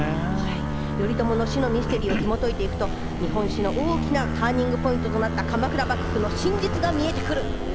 頼朝の死のミステリーをひもといていくと日本史のターニングポイントととなった鎌倉幕府の真実が見えてくる。